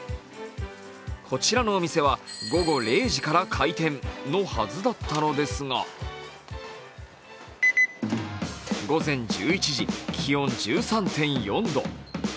こちらのお店は午後０時から開店のはずだったのですが午前１１時、気温１３．４度。